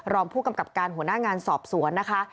รองผู้กำกับการหัวหน้างานสอบสวนนะคะ